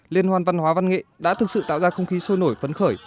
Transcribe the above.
liên hoàn văn hóa văn nghệ đã thực sự tạo ra không khí sôi nổi phấn khởi